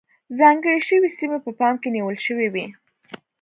ځانګړې شوې سیمې په پام کې نیول شوې وې.